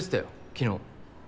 昨日。